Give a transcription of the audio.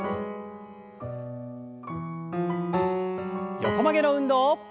横曲げの運動。